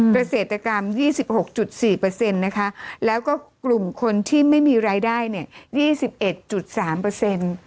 ประเศษตรกรรม๒๖๔นะคะแล้วก็กลุ่มคนที่ไม่มีรายได้เนี่ย๒๑๓